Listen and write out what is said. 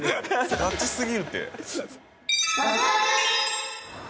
ガチすぎるって。